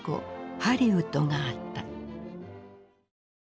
ハリウッドがあった。